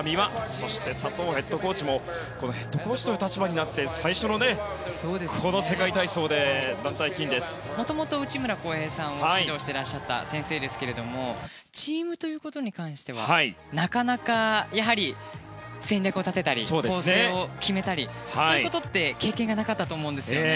そして、佐藤ヘッドコーチもヘッドコーチという立場になって最初の世界体操でもともと内村航平さんを指導していらっしゃった先生ですけどチームということに関してはなかなか、やはり戦略を立てたり構成を決めたりそういうことって経験がなかったと思うんですね。